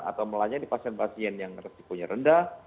atau melayani pasien pasien yang resikonya rendah